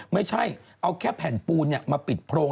ไม่ใช่เอาแค่แผ่นปูนมาปิดโพรง